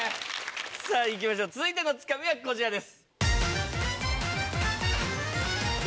さぁいきましょう続いてのツカミはこちらです。